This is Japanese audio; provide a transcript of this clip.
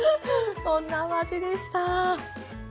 そんなお味でした！